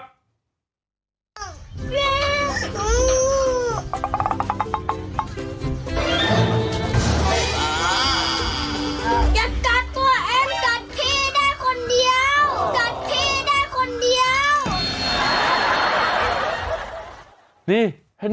อย่ากัดตัวเองกัดพี่ได้คนเดียว